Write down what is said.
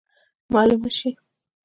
معلومه سي.